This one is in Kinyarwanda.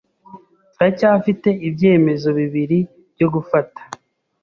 Turacyafite ibyemezo bibiri byo gufata.